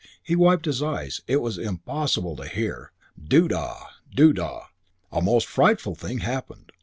He wiped his eyes. This was impossible to bear ... Doo da! Doo da! A most frightful thing happened.